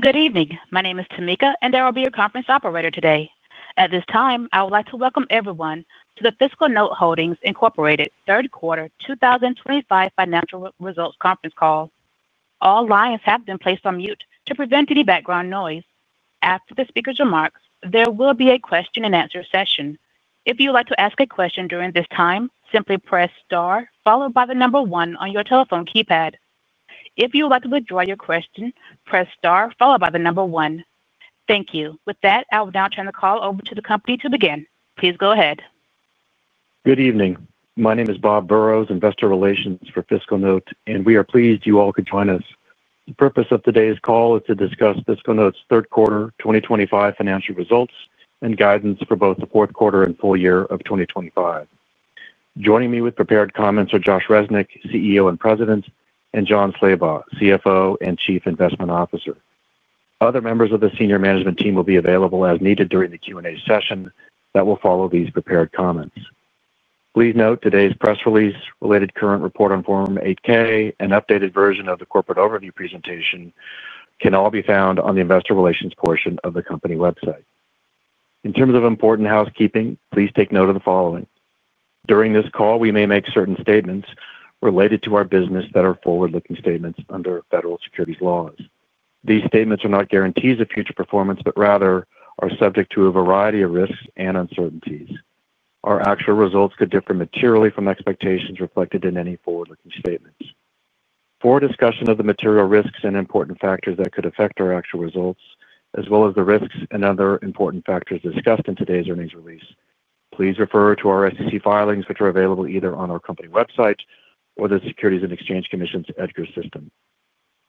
Good evening. My name is Tamika, and I will be your conference operator today. At this time, I would like to welcome everyone to the FiscalNote Holdings Incorporated Third Quarter 2025 Financial Results Conference Call. All lines have been placed on mute to prevent any background noise. After the speaker's remarks, there will be a question-and-answer session. If you would like to ask a question during this time, simply press star followed by the number one on your telephone keypad. If you would like to withdraw your question, press star followed by the number one. Thank you. With that, I will now turn the call over to the company to begin. Please go ahead. Good evening. My name is Bob Burrows, Investor Relations for FiscalNote, and we are pleased you all could join us. The purpose of today's call is to discuss FiscalNote's third quarter 2025 financial results and guidance for both the fourth quarter and full year of 2025. Joining me with prepared comments are Josh Resnik, CEO and President, and Jon Slabaugh, CFO and Chief Investment Officer. Other members of the senior management team will be available as needed during the Q&A session that will follow these prepared comments. Please note today's press release, related current report on Form 8-K, and updated version of the corporate overview presentation can all be found on the Investor Relations portion of the company website. In terms of important housekeeping, please take note of the following. During this call, we may make certain statements related to our business that are forward-looking statements under federal securities laws. These statements are not guarantees of future performance, but rather are subject to a variety of risks and uncertainties. Our actual results could differ materially from expectations reflected in any forward-looking statements. For discussion of the material risks and important factors that could affect our actual results, as well as the risks and other important factors discussed in today's earnings release, please refer to our SEC filings, which are available either on our company website or the Securities and Exchange Commission's Edgar system.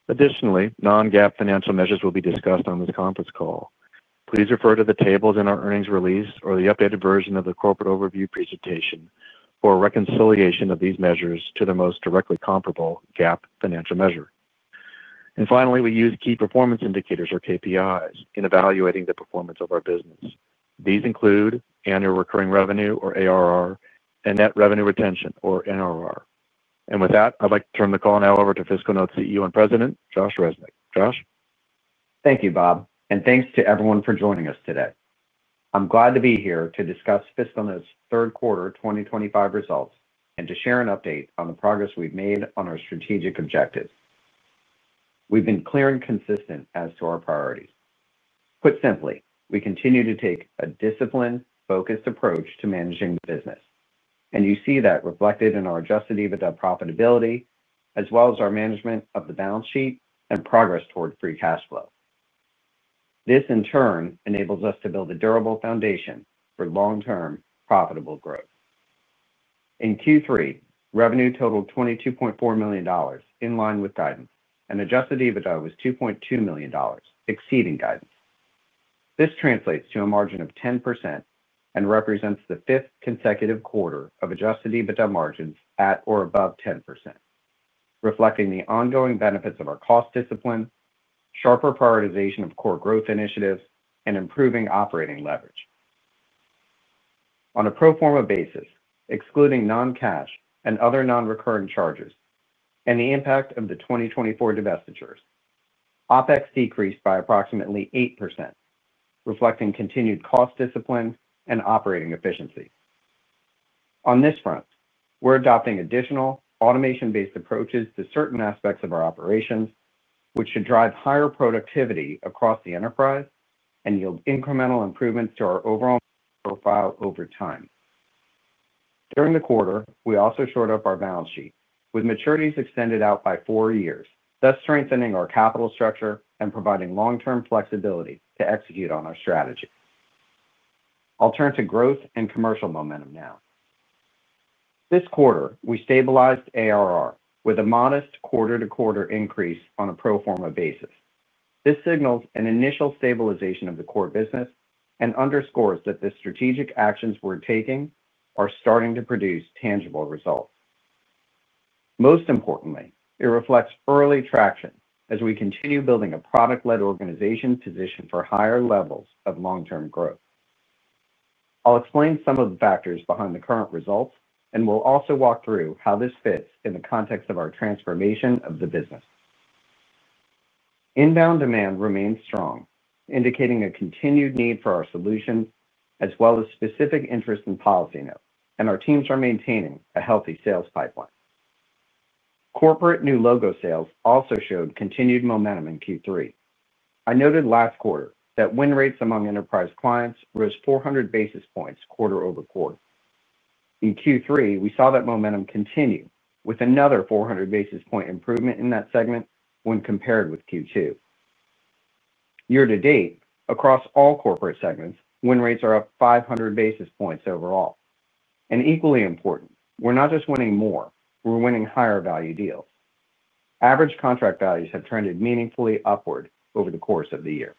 Additionally, non-GAAP financial measures will be discussed on this conference call. Please refer to the tables in our earnings release or the updated version of the corporate overview presentation for reconciliation of these measures to the most directly comparable GAAP financial measure. Finally, we use key performance indicators, or KPIs, in evaluating the performance of our business. These include annual recurring revenue, or ARR, and net revenue retention, or NRR. With that, I'd like to turn the call now over to FiscalNote CEO and President, Josh Resnik. Josh? Thank you, Bob, and thanks to everyone for joining us today. I'm glad to be here to discuss FiscalNote's third quarter 2025 results and to share an update on the progress we've made on our strategic objectives. We've been clear and consistent as to our priorities. Put simply, we continue to take a disciplined, focused approach to managing the business, and you see that reflected in our adjusted EBITDA profitability, as well as our management of the balance sheet and progress toward free cash flow. This, in turn, enables us to build a durable foundation for long-term profitable growth. In Q3, revenue totaled $22.4 million, in line with guidance, and adjusted EBITDA was $2.2 million, exceeding guidance. This translates to a margin of 10% and represents the fifth consecutive quarter of adjusted EBITDA margins at or above 10%. Reflecting the ongoing benefits of our cost discipline, sharper prioritization of core growth initiatives, and improving operating leverage. On a pro forma basis, excluding non-cash and other non-recurring charges, and the impact of the 2024 divestitures, OpEx decreased by approximately 8%. Reflecting continued cost discipline and operating efficiency. On this front, we're adopting additional automation-based approaches to certain aspects of our operations, which should drive higher productivity across the enterprise and yield incremental improvements to our overall profile over time. During the quarter, we also shored up our balance sheet, with maturities extended out by four years, thus strengthening our capital structure and providing long-term flexibility to execute on our strategy. I'll turn to growth and commercial momentum now. This quarter, we stabilized ARR with a modest quarter-to-quarter increase on a pro forma basis. This signals an initial stabilization of the core business and underscores that the strategic actions we're taking are starting to produce tangible results. Most importantly, it reflects early traction as we continue building a product-led organization positioned for higher levels of long-term growth. I'll explain some of the factors behind the current results, and we'll also walk through how this fits in the context of our transformation of the business. Inbound demand remains strong, indicating a continued need for our solution, as well as specific interest in PolicyNote, and our teams are maintaining a healthy sales pipeline. Corporate new logo sales also showed continued momentum in Q3. I noted last quarter that win rates among enterprise clients rose 400 basis points quarter over quarter. In Q3, we saw that momentum continue with another 400 basis point improvement in that segment when compared with Q2. Year to date, across all corporate segments, win rates are up 500 basis points overall. Equally important, we're not just winning more; we're winning higher value deals. Average contract values have trended meaningfully upward over the course of the year.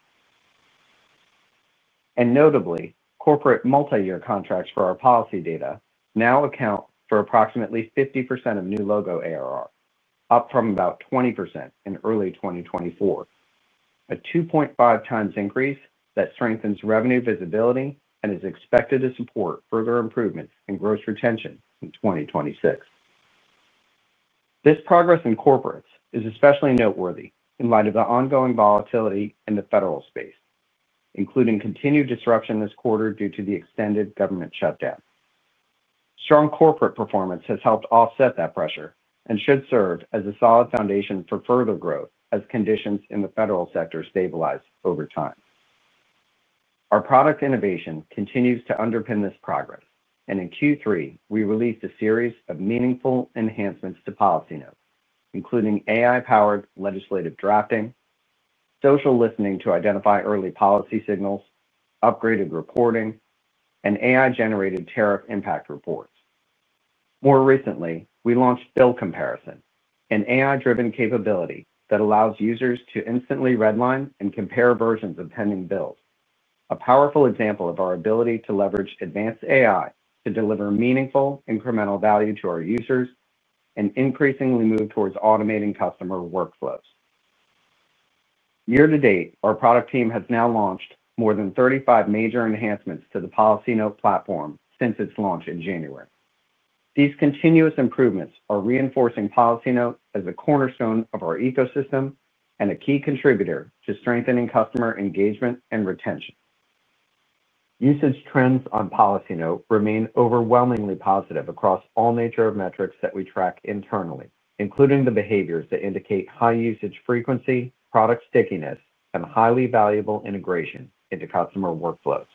Notably, corporate multi-year contracts for our policy data now account for approximately 50% of new logo ARR, up from about 20% in early 2024. A 2.5x increase that strengthens revenue visibility and is expected to support further improvements in gross retention in 2026. This progress in corporates is especially noteworthy in light of the ongoing volatility in the federal space, including continued disruption this quarter due to the extended government shutdown. Strong corporate performance has helped offset that pressure and should serve as a solid foundation for further growth as conditions in the federal sector stabilize over time. Our product innovation continues to underpin this progress, and in Q3, we released a series of meaningful enhancements to PolicyNote, including AI-powered legislative drafting, social listening to identify early policy signals, upgraded reporting, and AI-generated tariff impact reports. More recently, we launched bill comparison, an AI-driven capability that allows users to instantly redline and compare versions of pending bills, a powerful example of our ability to leverage advanced AI to deliver meaningful incremental value to our users and increasingly move towards automating customer workflows. Year to date, our product team has now launched more than 35 major enhancements to the PolicyNote platform since its launch in January. These continuous improvements are reinforcing PolicyNote as a cornerstone of our ecosystem and a key contributor to strengthening customer engagement and retention. Usage trends on PolicyNote remain overwhelmingly positive across all nature of metrics that we track internally, including the behaviors that indicate high usage frequency, product stickiness, and highly valuable integration into customer workflows.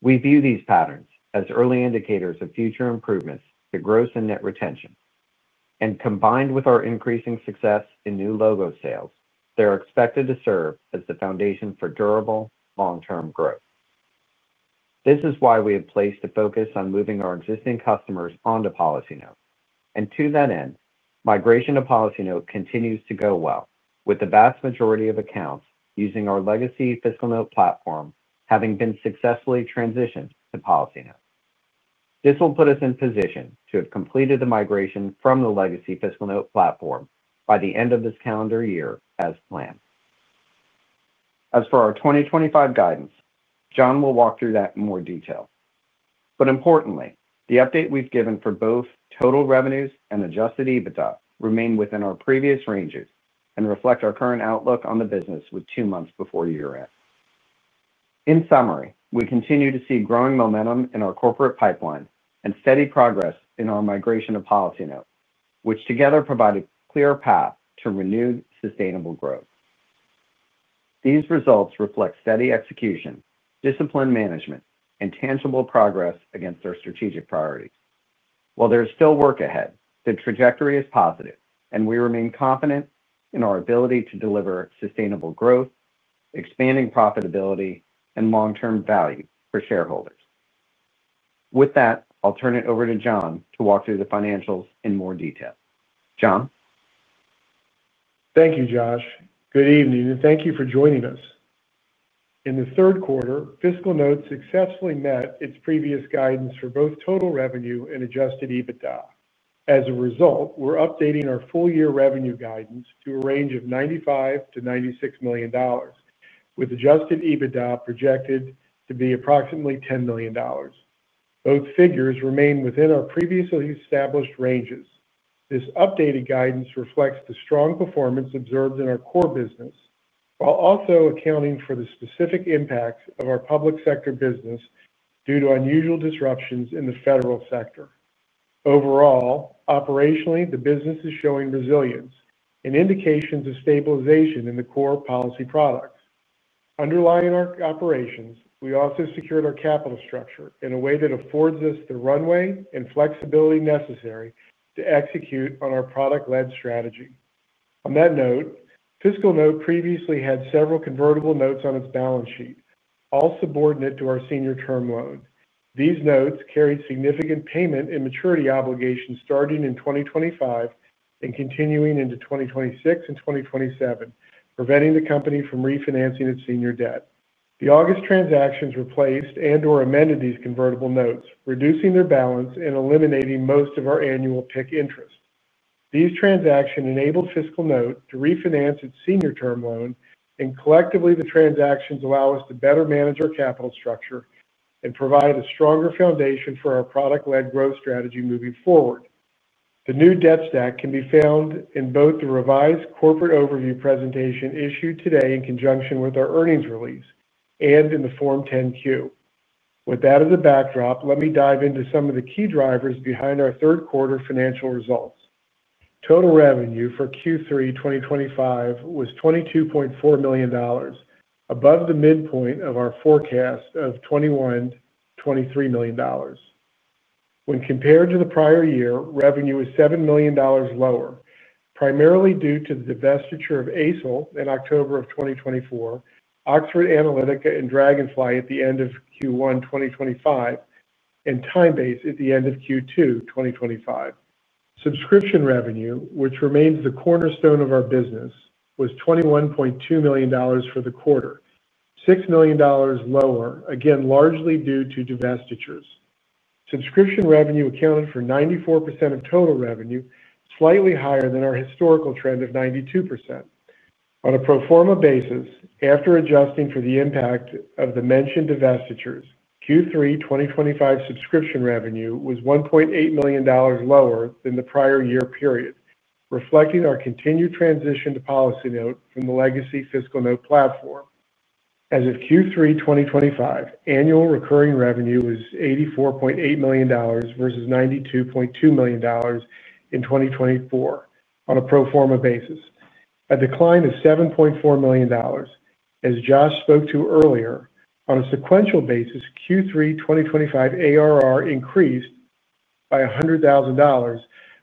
We view these patterns as early indicators of future improvements to gross and net retention, and combined with our increasing success in new logo sales, they're expected to serve as the foundation for durable long-term growth. This is why we have placed a focus on moving our existing customers onto PolicyNote, and to that end, migration to PolicyNote continues to go well, with the vast majority of accounts using our legacy FiscalNote platform having been successfully transitioned to PolicyNote. This will put us in position to have completed the migration from the legacy FiscalNote platform by the end of this calendar year as planned. As for our 2025 guidance, Jon will walk through that in more detail. Importantly, the update we have given for both total revenues and adjusted EBITDA remain within our previous ranges and reflect our current outlook on the business with two months before year-end. In summary, we continue to see growing momentum in our corporate pipeline and steady progress in our migration of PolicyNote, which together provide a clear path to renewed sustainable growth. These results reflect steady execution, disciplined management, and tangible progress against our strategic priorities. While there is still work ahead, the trajectory is positive, and we remain confident in our ability to deliver sustainable growth, expanding profitability, and long-term value for shareholders. With that, I will turn it over to Jon to walk through the financials in more detail. Jon. Thank you, Josh. Good evening, and thank you for joining us. In the third quarter, FiscalNote successfully met its previous guidance for both total revenue and adjusted EBITDA. As a result, we're updating our full-year revenue guidance to a range of $95 million-$96 million, with adjusted EBITDA projected to be approximately $10 million. Both figures remain within our previously established ranges. This updated guidance reflects the strong performance observed in our core business, while also accounting for the specific impacts of our public sector business due to unusual disruptions in the federal sector. Overall, operationally, the business is showing resilience and indications of stabilization in the core policy products. Underlying our operations, we also secured our capital structure in a way that affords us the runway and flexibility necessary to execute on our product-led strategy. On that note, FiscalNote previously had several convertible notes on its balance sheet, all subordinate to our senior term loan. These notes carried significant payment and maturity obligations starting in 2025 and continuing into 2026 and 2027, preventing the company from refinancing its senior debt. The August transactions replaced and/or amended these convertible notes, reducing their balance and eliminating most of our annual PIK interest. These transactions enabled FiscalNote to refinance its senior term loan, and collectively, the transactions allow us to better manage our capital structure and provide a stronger foundation for our product-led growth strategy moving forward. The new debt stack can be found in both the revised corporate overview presentation issued today in conjunction with our earnings release and in the Form 10-Q. With that as a backdrop, let me dive into some of the key drivers behind our Third Quarter financial results. Total revenue for Q3 2025 was $22.4 million, above the midpoint of our forecast of $21.23 million. When compared to the prior year, revenue was $7 million lower, primarily due to the divestiture of Aicel in October 2024, Oxford Analytica and Dragonfly at the end of Q1 2025, and Timebase at the end of Q2 2025. Subscription revenue, which remains the cornerstone of our business, was $21.2 million for the quarter, $6 million lower, again largely due to divestitures. Subscription revenue accounted for 94% of total revenue, slightly higher than our historical trend of 92%. On a pro forma basis, after adjusting for the impact of the mentioned divestitures, Q3 2025 subscription revenue was $1.8 million lower than the prior year period, reflecting our continued transition to PolicyNote from the legacy Fiscal Note platform. As of Q3 2025, annual recurring revenue was $84.8 million versus $92.2 million. In 2024, on a pro forma basis, a decline of $7.4 million. As Josh spoke to earlier, on a sequential basis, Q3 2025 ARR increased by $100,000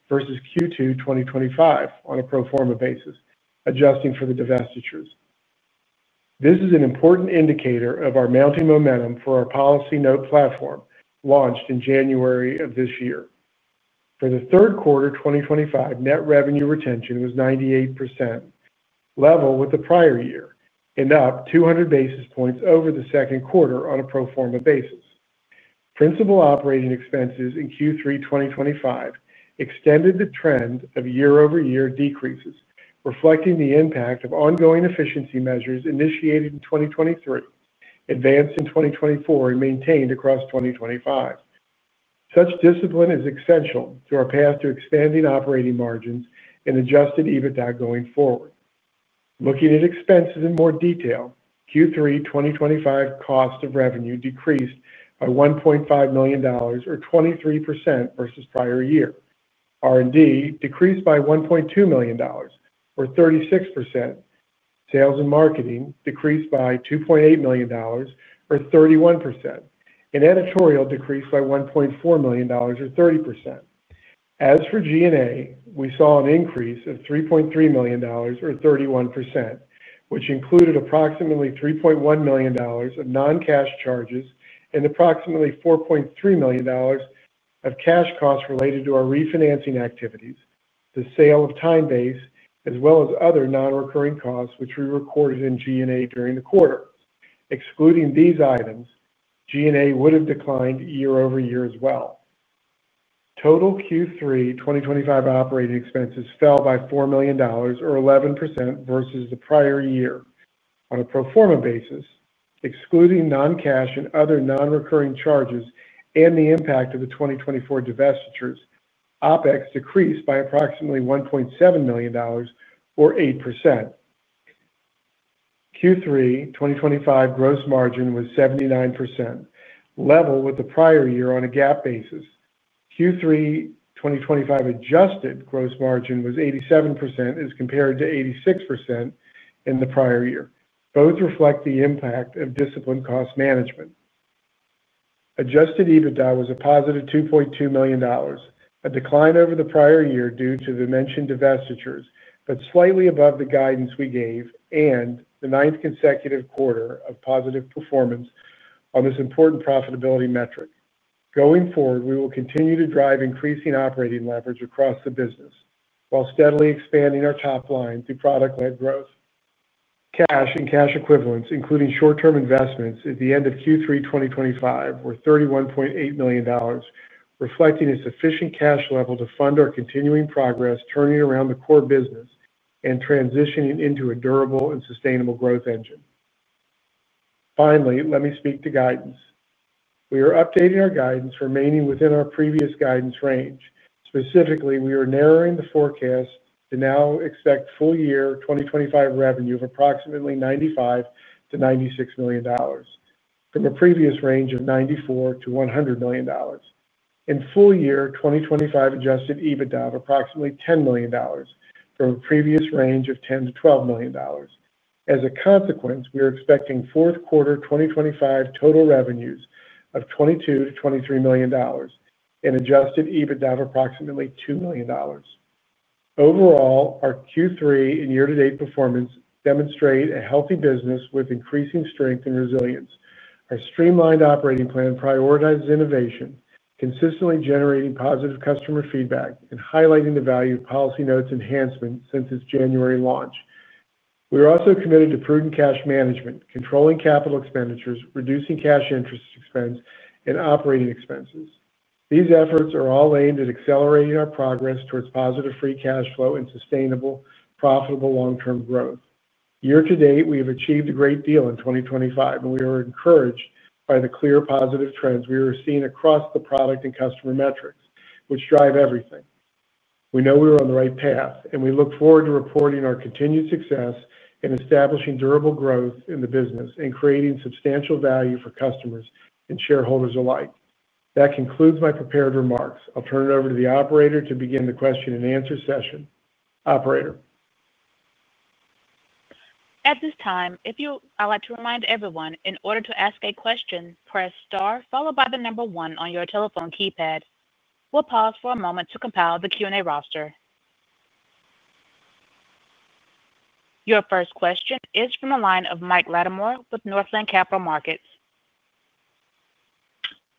versus Q2 2025 on a pro forma basis, adjusting for the divestitures. This is an important indicator of our mounting momentum for our PolicyNote platform launched in January of this year. For the third quarter 2025, net revenue retention was 98%. Level with the prior year and up 200 basis points over the second quarter on a pro forma basis. Principal operating expenses in Q3 2025 extended the trend of year-over-year decreases, reflecting the impact of ongoing efficiency measures initiated in 2023, advanced in 2024, and maintained across 2025. Such discipline is essential to our path to expanding operating margins and adjusted EBITDA going forward. Looking at expenses in more detail, Q3 2025 cost of revenue decreased by $1.5 million, or 23% versus prior year. R&D decreased by $1.2 million, or 36%. Sales and marketing decreased by $2.8 million, or 31%, and editorial decreased by $1.4 million, or 30%. As for G&A, we saw an increase of $3.3 million, or 31%, which included approximately $3.1 million of non-cash charges and approximately $4.3 million of cash costs related to our refinancing activities, the sale of Timebase, as well as other non-recurring costs, which we recorded in G&A during the quarter. Excluding these items, G&A would have declined year-over-year as well. Total Q3 2025 operating expenses fell by $4 million, or 11%, versus the prior year. On a pro forma basis, excluding non-cash and other non-recurring charges and the impact of the 2024 divestitures, OpEx decreased by approximately $1.7 million, or 8%. Q3 2025 gross margin was 79%. Level with the prior year on a GAAP basis. Q3 2025 adjusted gross margin was 87% as compared to 86% in the prior year. Both reflect the impact of disciplined cost management. Adjusted EBITDA was a positive $2.2 million, a decline over the prior year due to the mentioned divestitures, but slightly above the guidance we gave and the ninth consecutive quarter of positive performance on this important profitability metric. Going forward, we will continue to drive increasing operating leverage across the business while steadily expanding our top line through product-led growth. Cash and cash equivalents, including short-term investments, at the end of Q3 2025 were $31.8 million, reflecting a sufficient cash level to fund our continuing progress, turning around the core business and transitioning into a durable and sustainable growth engine. Finally, let me speak to guidance. We are updating our guidance, remaining within our previous guidance range. Specifically, we are narrowing the forecast to now expect full-year 2025 revenue of approximately $95 million-$96 million from a previous range of $94 million-$100 million. Full-year 2025 adjusted EBITDA is approximately $10 million from a previous range of $10 million-$12 million. As a consequence, we are expecting fourth quarter 2025 total revenues of $22 million-$23 million and adjusted EBITDA of approximately $2 million. Overall, our Q3 and year-to-date performance demonstrate a healthy business with increasing strength and resilience. Our streamlined operating plan prioritizes innovation, consistently generating positive customer feedback and highlighting the value of PolicyNote's enhancement since its January launch. We are also committed to prudent cash management, controlling capital expenditures, reducing cash interest expense, and operating expenses. These efforts are all aimed at accelerating our progress towards positive free cash flow and sustainable, profitable long-term growth. Year to date, we have achieved a great deal in 2025, and we are encouraged by the clear positive trends we are seeing across the product and customer metrics, which drive everything. We know we are on the right path, and we look forward to reporting our continued success in establishing durable growth in the business and creating substantial value for customers and shareholders alike. That concludes my prepared remarks. I'll turn it over to the operator to begin the question and answer session. Operator. At this time, if you would like to remind everyone, in order to ask a question, press star followed by the number one on your telephone keypad. We'll pause for a moment to compile the Q&A roster. Your first question is from the line of Mike Latimore with Northland Capital Markets.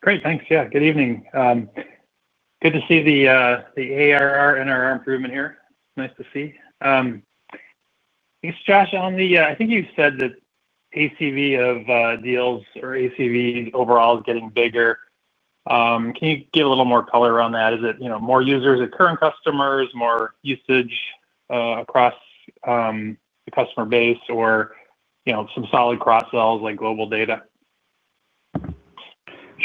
Great. Thanks. Yeah. Good evening. Good to see the ARR and our improvement here. Nice to see. Thanks, Josh. I think you said that ACV of deals or ACV overall is getting bigger. Can you give a little more color around that? Is it more users at current customers, more usage across the customer base, or some solid cross-sells like global data?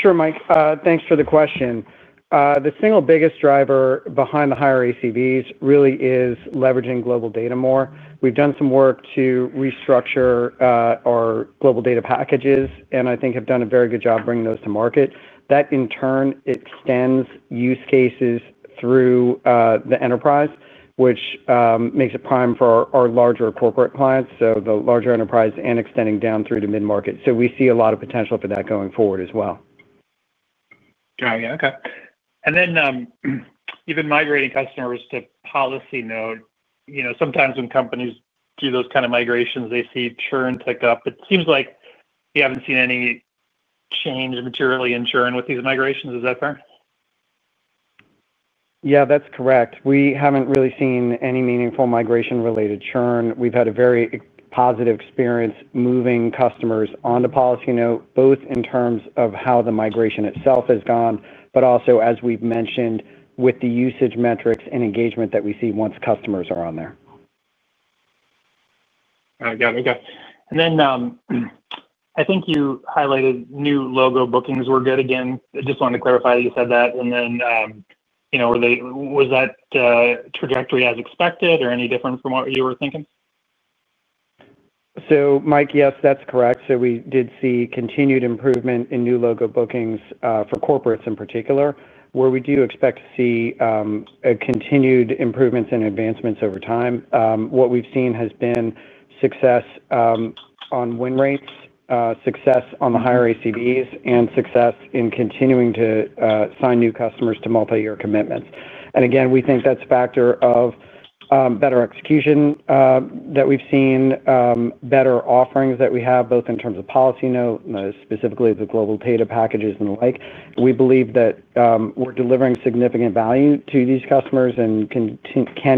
Sure, Mike. Thanks for the question. The single biggest driver behind the higher ACVs really is leveraging global data more. We've done some work to restructure our global data packages, and I think have done a very good job bringing those to market. That, in turn, extends use cases through the enterprise, which makes it prime for our larger corporate clients, the larger enterprise and extending down through the mid-market. We see a lot of potential for that going forward as well. Got it. Yeah. Okay. Even migrating customers to PolicyNote, sometimes when companies do those kind of migrations, they see churn pick up. It seems like we have not seen any change materially in churn with these migrations. Is that fair? Yeah, that's correct. We haven't really seen any meaningful migration-related churn. We've had a very positive experience moving customers onto PolicyNote, both in terms of how the migration itself has gone, but also, as we've mentioned, with the usage metrics and engagement that we see once customers are on there. Got it. Okay. I think you highlighted new logo bookings were good again. I just wanted to clarify that you said that. Was that trajectory as expected or any different from what you were thinking? Yes, that's correct. We did see continued improvement in new logo bookings for corporates in particular, where we do expect to see continued improvements and advancements over time. What we've seen has been success on win rates, success on the higher ACVs, and success in continuing to sign new customers to multi-year commitments. Again, we think that's a factor of better execution that we've seen, better offerings that we have, both in terms of PolicyNote, specifically the global data packages and the like. We believe that we're delivering significant value to these customers and can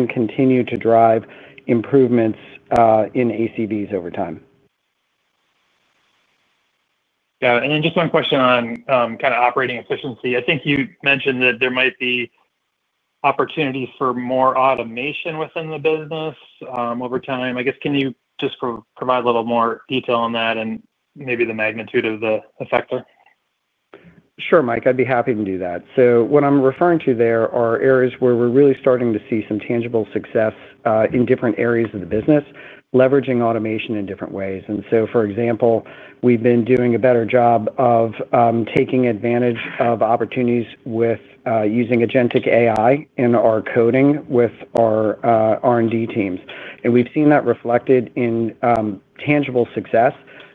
continue to drive improvements in ACVs over time. Yeah. And then just one question on kind of operating efficiency. I think you mentioned that there might be opportunities for more automation within the business over time. I guess, can you just provide a little more detail on that and maybe the magnitude of the effect there? Sure, Mike. I'd be happy to do that. What I'm referring to there are areas where we're really starting to see some tangible success in different areas of the business, leveraging automation in different ways. For example, we've been doing a better job of taking advantage of opportunities with using agentic AI in our coding with our R&D teams. We've seen that reflected in tangible success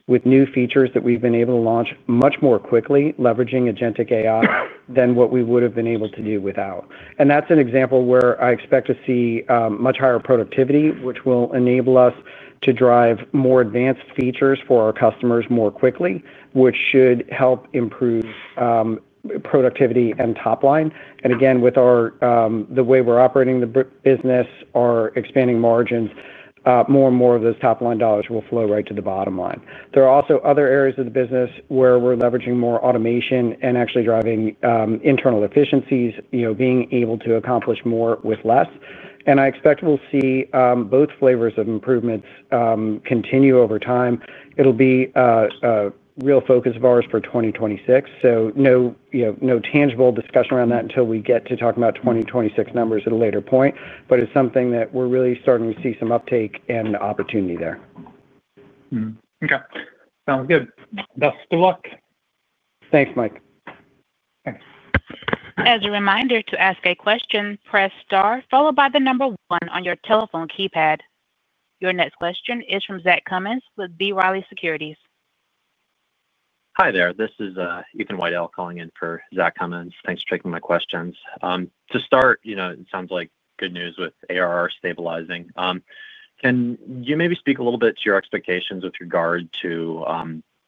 with new features that we've been able to launch much more quickly, leveraging agentic AI than what we would have been able to do without. That's an example where I expect to see much higher productivity, which will enable us to drive more advanced features for our customers more quickly, which should help improve productivity and top line. With the way we're operating the business, our expanding margins, more and more of those top line dollars will flow right to the bottom line. There are also other areas of the business where we're leveraging more automation and actually driving internal efficiencies, being able to accomplish more with less. I expect we'll see both flavors of improvements continue over time. It'll be a real focus of ours for 2026. No tangible discussion around that until we get to talk about 2026 numbers at a later point, but it's something that we're really starting to see some uptake and opportunity there. Okay. Sounds good. Best of luck. Thanks, Mike. As a reminder to ask a question, press star followed by the number one on your telephone keypad. Your next question is from Zach Cummins with B. Riley Securities. Hi there. This is Ethan Widell calling in for Zach Cummins. Thanks for taking my questions. To start, it sounds like good news with ARR stabilizing. Can you maybe speak a little bit to your expectations with regard to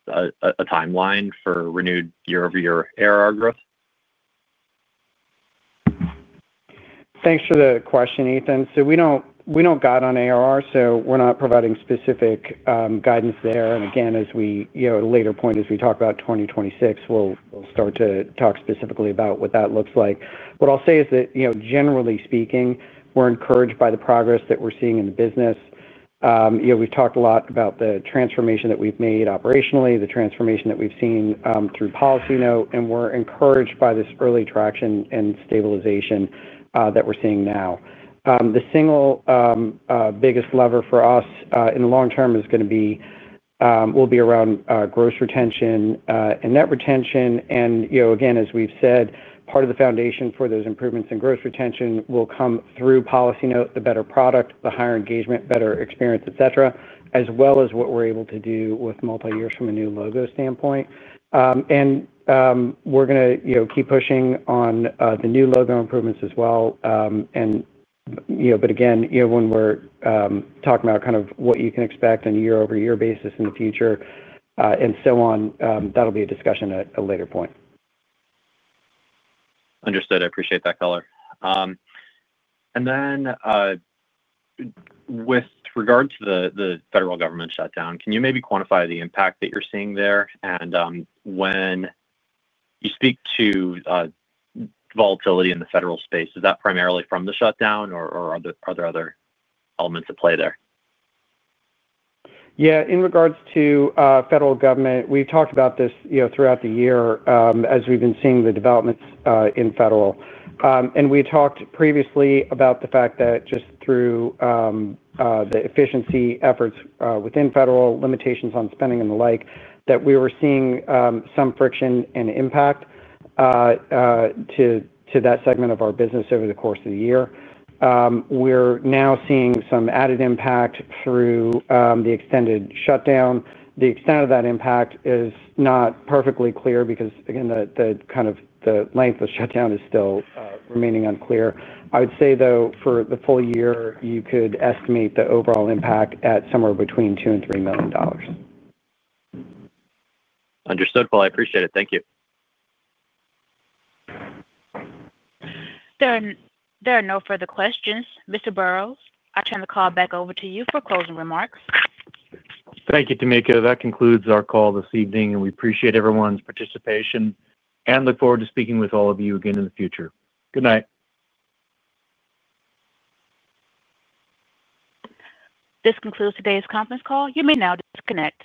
a timeline for renewed year-over-year ARR growth? Thanks for the question, Ethan. We do not guide on ARR, so we are not providing specific guidance there. At a later point, as we talk about 2026, we will start to talk specifically about what that looks like. What I will say is that, generally speaking, we are encouraged by the progress that we are seeing in the business. We have talked a lot about the transformation that we have made operationally, the transformation that we have seen through PolicyNote, and we are encouraged by this early traction and stabilization that we are seeing now. The single biggest lever for us in the long term is going to be around gross retention and net retention. As we've said, part of the foundation for those improvements in gross retention will come through PolicyNote, the better product, the higher engagement, better experience, etc., as well as what we're able to do with multi-years from a new logo standpoint. We're going to keep pushing on the new logo improvements as well. When we're talking about kind of what you can expect on a year-over-year basis in the future, that'll be a discussion at a later point. Understood. I appreciate that, color. With regard to the federal government shutdown, can you maybe quantify the impact that you're seeing there? When you speak to volatility in the federal space, is that primarily from the shutdown, or are there other elements at play there? Yeah. In regards to federal government, we've talked about this throughout the year as we've been seeing the developments in federal. We talked previously about the fact that just through the efficiency efforts within federal, limitations on spending and the like, that we were seeing some friction and impact to that segment of our business over the course of the year. We're now seeing some added impact through the extended shutdown. The extent of that impact is not perfectly clear because, again, the length of the shutdown is still remaining unclear. I would say, though, for the full year, you could estimate the overall impact at somewhere between $2 million and $3 million. Understood. I appreciate it. Thank you. There are no further questions, Mr. Burrows. I turn the call back over to you for closing remarks. Thank you, Tamika. That concludes our call this evening, and we appreciate everyone's participation and look forward to speaking with all of you again in the future. Good night. This concludes today's conference call. You may now disconnect.